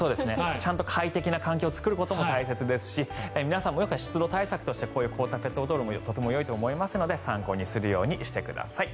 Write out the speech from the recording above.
ちゃんと快適な環境を作ることも大切ですし皆さんも湿度対策として凍ったペットボトルも大変よいと思いますので参考にするようにしてください。